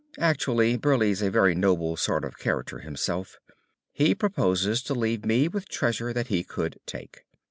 "Actually, Burleigh's a very noble sort of character himself. He proposes to leave me with treasure that he could take.